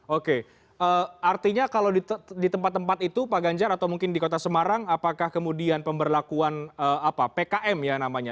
oke artinya kalau di tempat tempat itu pak ganjar atau mungkin di kota semarang apakah kemudian pemberlakuan pkm ya namanya